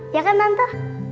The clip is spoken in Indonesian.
ya kan tante